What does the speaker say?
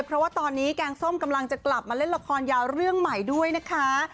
เพราะว่าตอนนี้แกงส้มกำลังจะกลับมาเล่นละครยาวเรื่องใหม่ด้วยนะคะ